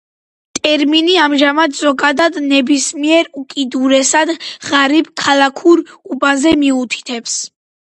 ტერმინი ამჟამად ზოგადად ნებისმიერ უკიდურესად ღარიბ ქალაქურ უბანზე მიუთითებს.